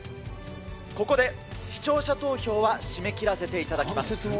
ここで視聴者投票は締め切らせていただきました。